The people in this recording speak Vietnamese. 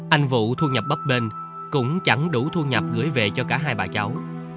anh vụ thu nhập bắp bên cũng chẳng đủ thu nhập gửi về cho cả hai bà cháu